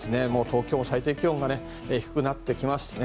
東京最低気温が低くなってきます。